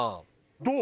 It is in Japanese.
どう？